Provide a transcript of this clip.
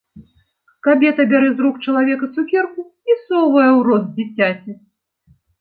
Кабета бярэ з рук чалавека цукерку і совае ў рот дзіцяці.